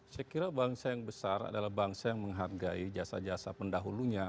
saya kira bangsa yang besar adalah bangsa yang menghargai jasa jasa pendahulunya